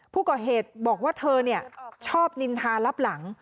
ผู้ก่อเหตุบอกว่าเธอชอบนินทารับหลัง